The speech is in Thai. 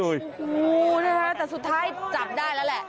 โอ้โหนะคะแต่สุดท้ายจับได้แล้วแหละ